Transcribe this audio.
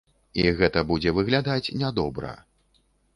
І гэта будзе выглядаць не добра.